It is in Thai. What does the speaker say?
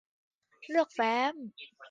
เลือกแฟ้ม